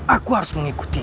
aku harus mengikuti ini